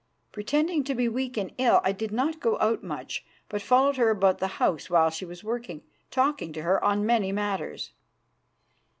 Pretending to be weak and ill, I did not go out much, but followed her about the house while she was working, talking to her on many matters.